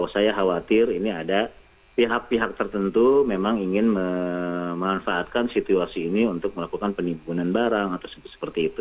saya khawatir ini ada pihak pihak tertentu memang ingin memanfaatkan situasi ini untuk melakukan penimbunan barang atau seperti itu